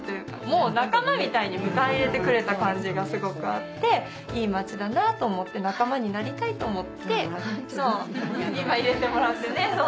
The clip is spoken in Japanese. もう仲間みたいに迎え入れてくれた感じがすごくあっていい町だなと思って仲間になりたいと思って今入れてもらってね。